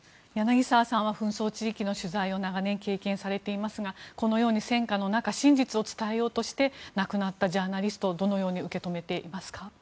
柳澤さんは紛争地域の取材を長年経験されていますがこのように戦禍の中真実を伝えようとして亡くなったジャーナリストをどのように受け止めていますか。